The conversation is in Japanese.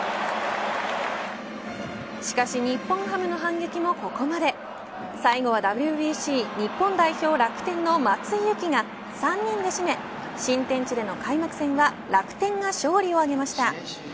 しかし日本ハムの反撃もここまで最後は、ＷＢＣ日本代表、楽天の松井裕樹が３人で締め新天地での開幕戦は楽天が勝利を挙げました。